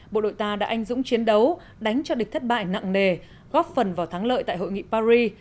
bộ đội ta đã anh dũng chiến đấu đánh cho địch thất bại nặng nề góp phần vào thắng lợi tại hội nghị paris